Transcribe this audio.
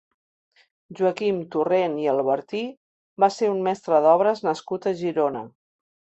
Joaquim Torrent i Albertí va ser un mestre d’obres nascut a Girona.